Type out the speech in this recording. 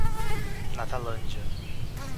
Natalândia